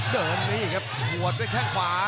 เดินนี้ครับหัวไปแค่ขวา